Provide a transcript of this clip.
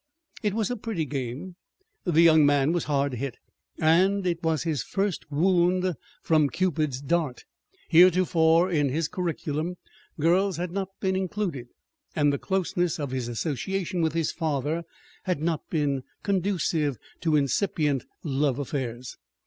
It was a pretty game. The young man was hard hit, and it was his first wound from Cupid's dart. Heretofore in his curriculum girls had not been included; and the closeness of his association with his father had not been conducive to incipient love affairs.